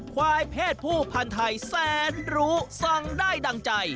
ควายเพศผู้พันธ์ไทยแสนรู้สั่งได้ดั่งใจ